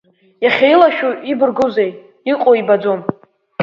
Иахьа илашәу ибаргәузеи, иҟоу ибаӡом!